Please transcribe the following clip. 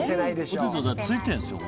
ポテトついてるんですよ